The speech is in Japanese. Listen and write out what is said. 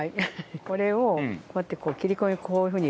これをこうやって切り込みをこういうふうに入れていくの。